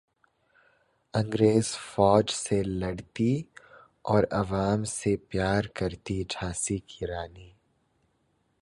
انگریز فوج سے لڑتی اور عوام سے پیار کرتی جھانسی کی رانی